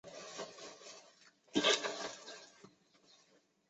波克灵顿是英格兰东约克郡的一座小镇和民政教区。